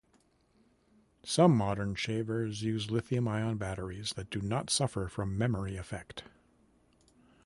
Some modern shavers use Lithium-ion batteries that do not suffer from memory effect.